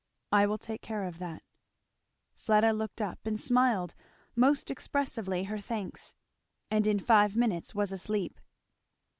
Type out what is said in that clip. "I will take care of that." Fleda looked up and smiled most expressively her thanks, and in five minutes was asleep.